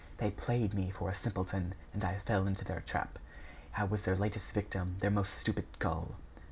They played me for a simpleton; and I fell into their trap. I was their latest victim, their most stupid gull!"